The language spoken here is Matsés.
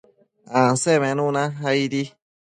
Ansemenuna aidi